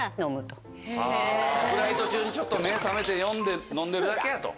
フライト中にちょっと目覚めて呼んで飲んでるだけやと。